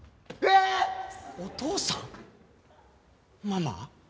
ママ？